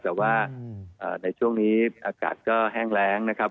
แต่ว่าในช่วงนี้อากาศก็แห้งแรงนะครับ